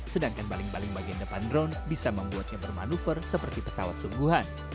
sedangkan baling baling bagian depan drone bisa membuatnya bermanuver seperti pesawat sungguhan